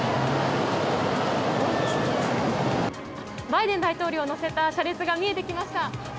バイデン大統領を乗せた車列が見えてきました。